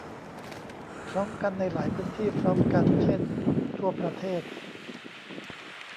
พร้อมกันในหลายพื้นที่พร้อมกัน เช่น ทั่วประเทศ